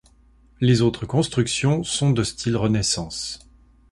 Les autres constructions sont de style Renaissance.